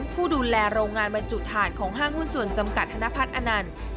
ผู้ดูแลโรงงานบรรจุฐานของห้างหุ้นส่วนจำกัดธนพัฒน์อนันต์